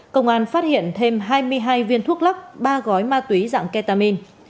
công an phát hiện thêm hai mươi hai viên thuốc lắc ba gói ma túy dạng ketamin